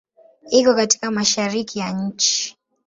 Iko katika Mashariki ya nchi.